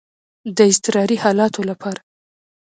د اضطراري حالاتو لپاره.